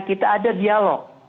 kita ada dialog